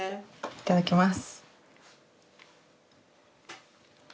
いただきます。